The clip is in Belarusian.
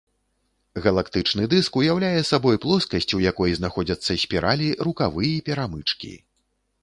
Галактычны дыск уяўляе сабой плоскасць, у якой знаходзяцца спіралі, рукавы і перамычкі.